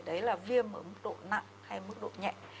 đấy là viêm ở mức độ nặng hay mức độ nhẹ